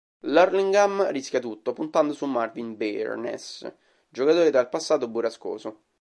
L'Hurlingham rischia tutto puntando su Marvin Barnes, giocatore dal passato burrascoso.